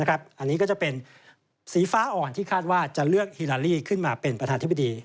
อันนี้ก็จะเป็นสีฟ้าอ่อนที่คาดว่าจะเลือกฮิลาลีขึ้นมาเป็นประธานธิบดี